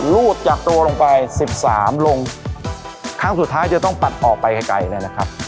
รูดจากตัวลงไปสิบสามลงครั้งสุดท้ายจะต้องปัดออกไปไกลเลยนะครับ